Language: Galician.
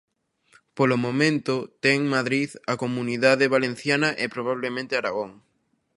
Polo momento, ten Madrid, a Comunidade Valenciana e probablemente Aragón.